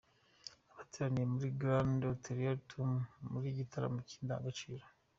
Abateraniye muri Grand Auditorium bari mu gitaramo cy’Indangamuco.